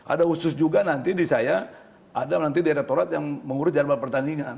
ada usus juga nanti di saya ada nanti direkturat yang mengurus jadwal pertandingan